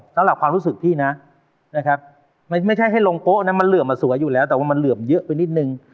ต้องหลักความรู้สึกที่นะไม่ใช่ให้ลงโป๊ะมันเหลือมสวยอยู่แล้วแต่มันเหลือมเยอะไปนิดนึง